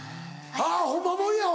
あぁホンマもんやわ。